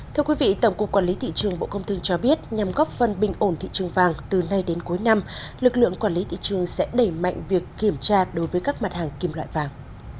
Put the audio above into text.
thưa quý vị tổng cục quản lý thị trường bộ công thương cho biết nhằm góp phân bình ổn thị trường vàng từ nay đến cuối năm lực lượng quản lý thị trường sẽ đẩy mạnh việc kiểm tra đối với các mặt hàng kim loại vàng